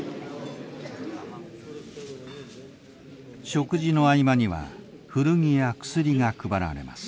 食事の合間には古着や薬が配られます。